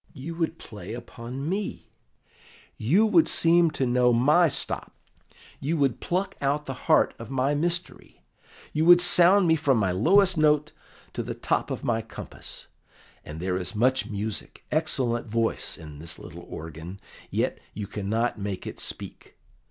"You would play upon me; you would seem to know my stops; you would pluck out the heart of my mystery; you would sound me from my lowest note to the top of my compass; and there is much music, excellent voice in this little organ, yet you cannot make it speak.